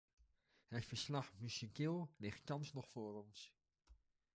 Het verslag-Busuttil ligt thans voor ons.